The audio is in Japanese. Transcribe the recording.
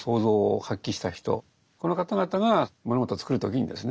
この方々が物事を作る時にですね